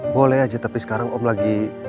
boleh aja tapi sekarang om lagi